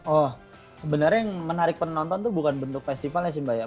oh sebenarnya yang menarik penonton itu bukan bentuk festivalnya sih mbak ya